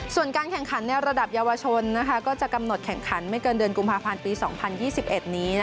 ส่วนการแข่งขันในระดับเยาวชนก็จะกำหนดแข่งขันไม่เกินเดือนกุมภาพันธ์ปี๒๐๒๑นี้